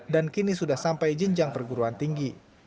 dan kini sudah sampai jinjang perguruan tinggi